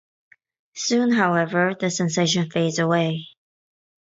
Soon, however, the sensation fades away.